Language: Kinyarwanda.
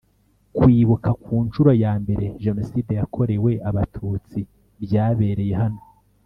kwibuka ku nshuro yambere Jenoside yakorewe Abatutsi byabereye hano